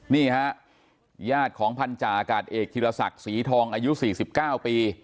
นี่ฮะญาติของพันธาอากาศเอกธิรศักดิ์ศรีทองอายุ๔๙ปี